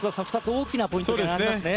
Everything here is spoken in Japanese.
大きなポイントですね。